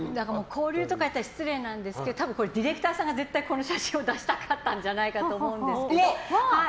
交流とか言ったら失礼なんですけどディレクターさんがこの写真を出したかったんじゃないかと思いますけど。